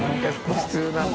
普通なんだ。